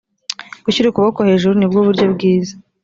gushyira ukuboko hejuru ni bwo buryo bwiza